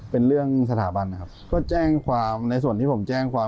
เป็นเรื่องสถาบันนะครับก็แจ้งความในส่วนที่ผมแจ้งความ